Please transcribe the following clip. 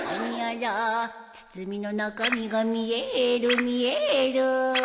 包みの中身が見える見える